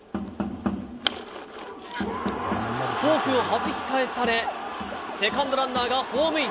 フォークをはじき返されセカンドランナーがホームイン。